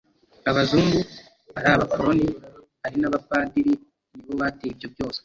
Abazungu, ari abakoloni ari n'Abapadiri nibo bateye ibyo byose.